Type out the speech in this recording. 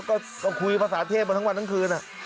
ก็คุยภาษาเทพมาทั้งวันทั้งคืน